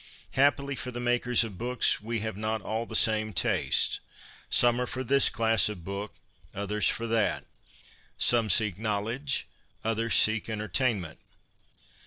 Happily for the makers of books we have not all the same taste. Some are for this class of book ; others for that. Some seek knowledge ; others seek enter tainment.